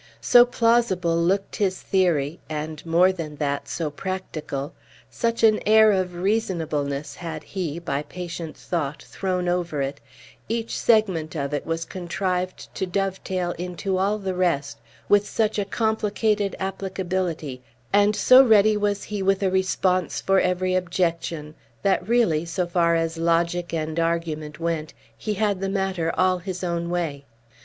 So plausible looked his theory, and, more than that, so practical, such an air of reasonableness had he, by patient thought, thrown over it, each segment of it was contrived to dovetail into all the rest with such a complicated applicability, and so ready was he with a response for every objection, that, really, so far as logic and argument went, he had the matter all his own way.